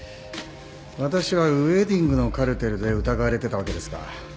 私はウエディングのカルテルで疑われてたわけですか。